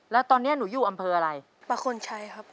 แล้วตอนนี้หนูอยู่อำเภออะไรประคลชัยครับ